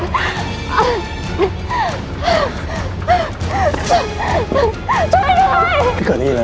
ไปตรงนี้พี่